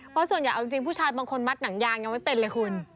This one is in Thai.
เพราะส่วนใหญ่พ่อพ่อบางคนมัดหนังยางยังไม่เป็นเลยคุณ